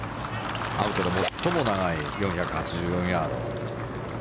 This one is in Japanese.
アウトで最も長い４８４ヤード。